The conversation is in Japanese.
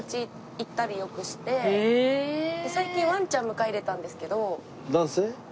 最近ワンちゃん迎え入れたんですけど。